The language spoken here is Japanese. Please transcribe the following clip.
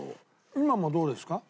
今もどうですか？